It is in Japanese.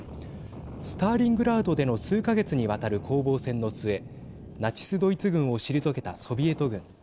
スターリングラードでの数か月にわたる攻防戦の末ナチス・ドイツ軍を退けたソビエト軍。